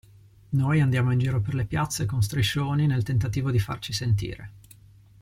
Noi andiamo in giro per le piazze con striscioni nel tentativo di farci sentire.